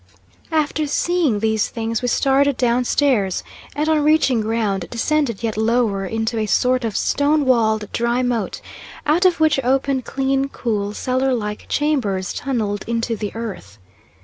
After seeing these things we started down stairs, and on reaching ground descended yet lower into a sort of stone walled dry moat, out of which opened clean, cool, cellar like chambers tunnelled into the earth.